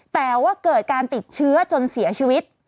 แต่ว่าเกิดการติดเชื้อจนเสียชีวิต